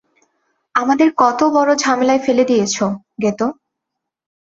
আমাদের কত বড় ঝামেলায় ফেলে দিয়েছো, গেতো।